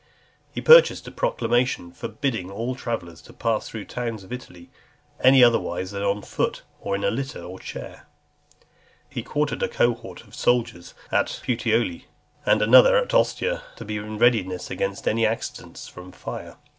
He published a proclamation, forbidding all travellers to pass through the towns of Italy any otherwise than on foot, or in a litter or chair . He quartered a cohort of soldiers at Puteoli, and another at Ostia, to be in readiness against any accidents from fire.